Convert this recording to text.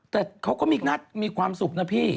แต่เขาก็มีความสุขนะพี่